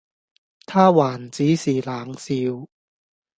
他還只是冷笑，